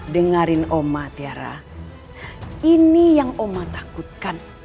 dengarin oma tiara ini yang oma takutkan